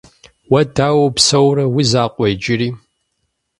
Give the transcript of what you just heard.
Уэ дауэ упсэурэ? Уи закъуэ иджыри?